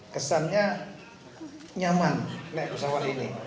kesannya nyaman pesawat ini